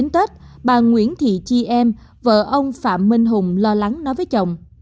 hai mươi chín tết bà nguyễn thị chi em vợ ông phạm minh hùng lo lắng nói với chồng